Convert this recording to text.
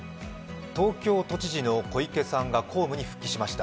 東京都知事の小池さんが公務に復帰しました。